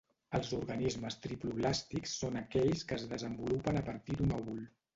Els organismes triploblàstics són aquells que es desenvolupen a partir d'un òvul.